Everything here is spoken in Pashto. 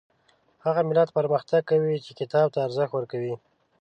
هغه ملت پرمختګ کوي چې کتاب ته ارزښت ورکوي